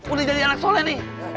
udah jadi anak soleh nih